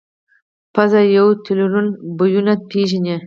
پزه یو ټریلیون بویونه پېژني.